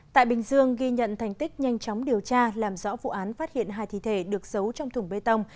tại bình dương ghi nhận thành tích nhanh chóng điều tra làm rõ vụ án phát hiện hai thi thể được giấu trong thùng bê tông